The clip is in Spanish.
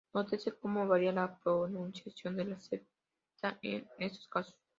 Nótese cómo varía la pronunciación de la z en estos casos.